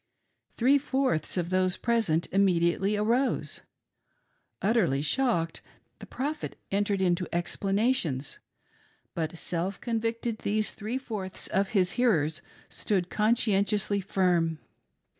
Three fourths of those present immediately arose. Utterly shocked, the Prophet entered into explanations; but self convicted these three fourths of his hearers stood conscientiously firm.